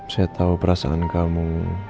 saya tau perasaan kamu